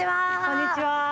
こんにちは。